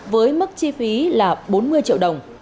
với mức chi phí là bốn mươi triệu đồng